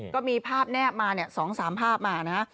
ก็มีภาพแนบมา๒๓ภาพมานะฮะ